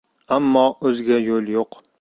Ammo o‘zga yo‘l yo‘q.